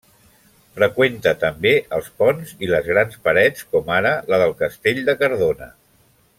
Freqüenta també els ponts i les grans parets com ara la del Castell de Cardona.